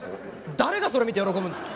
誰がそれ見て喜ぶんですか？